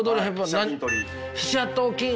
何？